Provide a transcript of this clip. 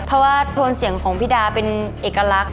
เพราะว่าโทนเสียงของพี่ดาเป็นเอกลักษณ